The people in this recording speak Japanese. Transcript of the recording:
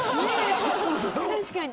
確かに。